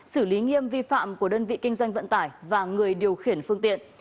xử lý nghiêm vi phạm của đơn vị kinh doanh vận tải và người điều khiển phương tiện